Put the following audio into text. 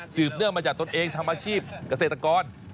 เนื่องมาจากตนเองทำอาชีพเกษตรกร